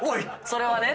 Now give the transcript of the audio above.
それはね。